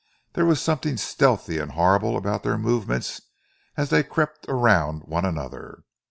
There was something stealthy and horrible about their movements as they crept around one another.